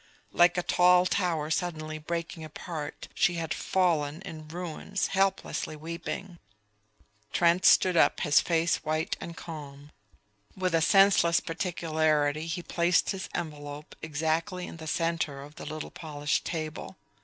Like a tall tower suddenly breaking apart she had fallen in ruins, helplessly weeping. Trent stood up, his face white and calm. With a senseless particularity he placed his envelop exactly in the center of the little polished table.